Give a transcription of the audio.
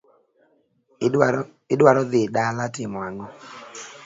Idwaro dhi dala timo ang'o.